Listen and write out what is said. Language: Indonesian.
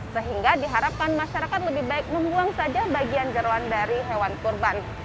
sehingga diharapkan masyarakat lebih baik membuang saja bagian jerawan dari hewan kurban